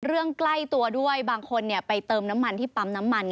ใกล้ตัวด้วยบางคนไปเติมน้ำมันที่ปั๊มน้ำมัน